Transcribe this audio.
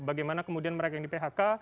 bagaimana kemudian mereka yang di phk